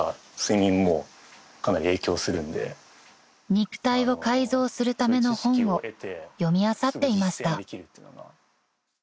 ［肉体を改造するための本を読みあさっていました］